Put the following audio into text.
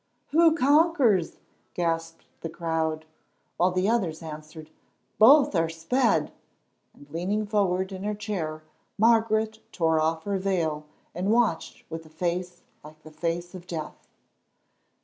"Who conquers?" gasped the crowd; while others answered, "Both are sped!" And, leaning forward in her chair, Margaret tore off her veil and watched with a face like the face of death.